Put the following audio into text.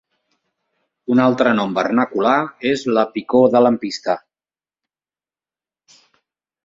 Un altre nom vernacular és la picor de lampista.